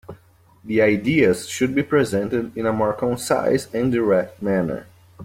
The ideas should be presented in a more concise and direct manner.